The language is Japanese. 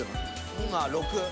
今６。